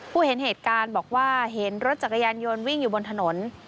เห็นเหตุการณ์บอกว่าเห็นรถจักรยานยนต์วิ่งอยู่บนถนน